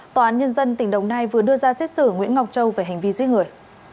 tòa án nhân dân tỉnh đồng nai vừa đưa ra xét xử nguyễn ngọc châu về hành vi giết người